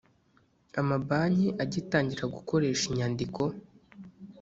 Amabanki agitangira gukoresha inyandiko